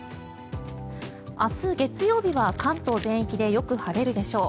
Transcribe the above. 明日月曜日は関東全域でよく晴れるでしょう。